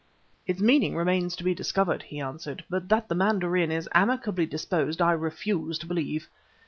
"Its meaning remains to be discovered," he answered; "but that the mandarin is amicably disposed I refuse to believe.